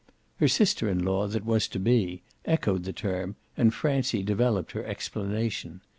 Her sister in law that was to be echoed the term and Francie developed her explanation.